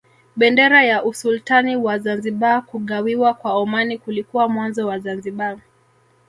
Bendera ya Usultani wa Zanzibar Kugawiwa kwa Omani kulikuwa mwanzo wa Zanzibar